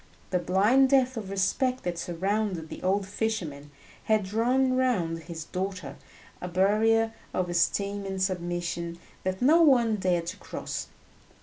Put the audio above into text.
The blind depth of respect that surrounded the old fisherman had drawn around his daughter a barrier of esteem and submission that no one dared to cross.